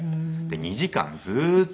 ２時間ずーっと。